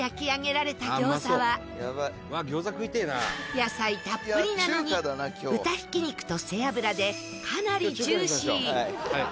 野菜たっぷりなのに豚ひき肉と背脂でかなりジューシー。